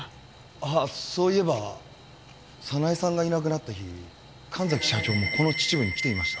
あっそういえば早苗さんがいなくなった日神崎社長もこの秩父に来ていました。